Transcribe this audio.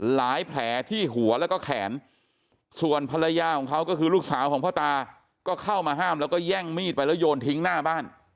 แผลที่หัวแล้วก็แขนส่วนภรรยาของเขาก็คือลูกสาวของพ่อตาก็เข้ามาห้ามแล้วก็แย่งมีดไปแล้วโยนทิ้งหน้าบ้าน